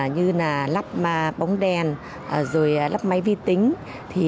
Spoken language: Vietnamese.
như lắp bóng đèn lắp máy vi tính